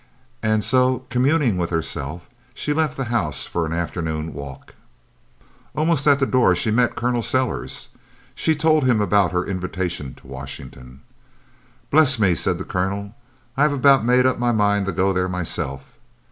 And so communing with herself, she left the house for an afternoon walk. Almost at the door she met Col. Sellers. She told him about her invitation to Washington. "Bless me!" said the Colonel. "I have about made up my mind to go there myself.